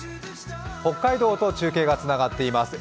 北海道と中継がつながっています。